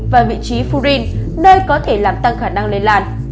và vị trí furin nơi có thể làm tăng khả năng lây lan